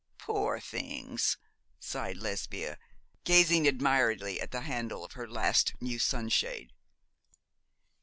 'Poor things!' sighed Lesbia, gazing admiringly at the handle of her last new sunshade.